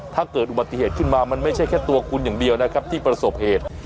ถ้าเกิดอุบัติเหตุขึ้นมามันไม่ใช่แค่ตัวคุณอย่างเดียวนะครับที่ประสบเหตุ